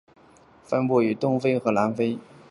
分布于东非和南非。